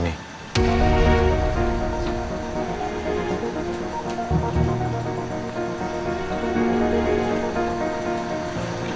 ah ini dia